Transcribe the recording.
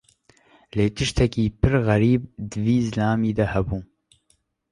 Lê tiştekî pir xerîb di vî zilamî de hebû.